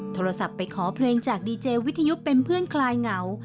โทรศัพท์ไปขอเพลงจากดีเจวิทยุเป็นเพื่อนคลายเหงา